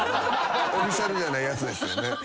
オフィシャルじゃないやつですよね。